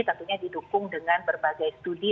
tentunya didukung dengan berbagai studi